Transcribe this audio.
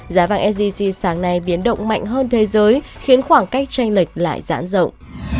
giá vàng sgc sáng nay biến động mạnh hơn thế giới khiến khoảng cách tranh lệch lại giãn rộng